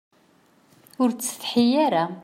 Ur ttsetḥi ara.